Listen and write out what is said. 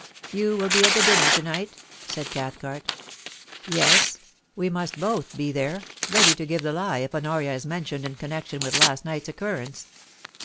You will be at the dinner to night ?* said Cathcart * Yes ; we must both be there, ready to give the lie if Ho noria is mentioned in connection with last night's occurrence.